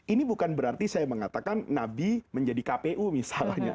ini bukan berarti saya mengatakan nabi menjadi kpu misalnya